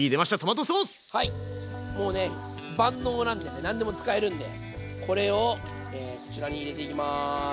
はいもうね万能なんでね何でも使えるんでこれをこちらに入れていきます。